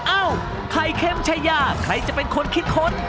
เอ้าไข่เค็มชายาใครจะเป็นคนคิดค้น